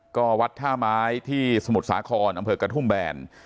ก็วัดท่าไม้ที่สมุทรสาครอำเภอกระทุ่มแบน